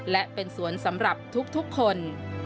และเป็นสวนสำหรับทุกคน